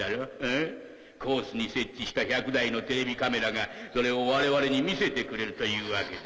ん？コースに設置した１００台のテレビカメラがそれを我々に見せてくれるというわけだ。